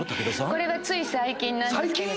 これはつい最近なんですけれど。